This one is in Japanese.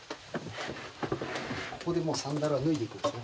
ここでもうサンダルは脱いでいくんですね